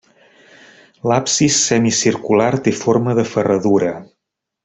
L’absis semicircular té forma de ferradura.